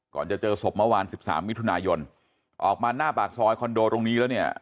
จะเจอศพเมื่อวาน๑๓มิถุนายนออกมาหน้าปากซอยคอนโดตรงนี้แล้วเนี่ย